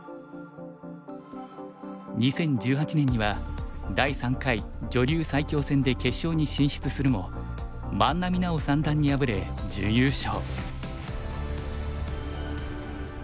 ２０１８年には第３回女流最強戦で決勝に進出するも万波奈穂三段に敗れ準優勝。